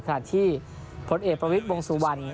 ขณะที่พลต์เอกประวิทย์วงศ์สุวรรค์